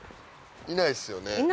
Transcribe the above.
いないですよね。